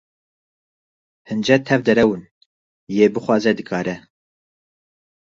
Hincet tev derew in, yê bixwaze, dikare.